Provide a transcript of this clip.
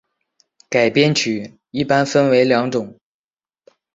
改编曲一般分为两种。